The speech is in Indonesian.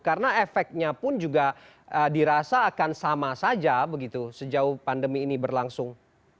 karena efeknya pun juga dirasa akan sama saja begitu sejauh pandemi ini berlangsung